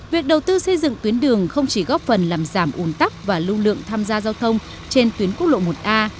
việc đầu tư xây dựng tuyến đường không chỉ góp phần làm giảm ủn tắc và lưu lượng tham gia giao thông trên tuyến quốc lộ một a